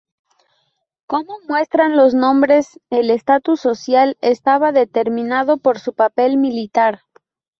Como muestran los nombres, el estatus social estaba determinado por su papel militar.